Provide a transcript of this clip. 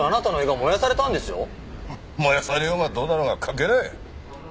燃やされようがどうなろうが関係ない！